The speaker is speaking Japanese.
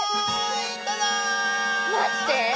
待って！